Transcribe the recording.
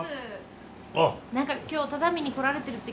何か今日只見に来られてるって聞いたので。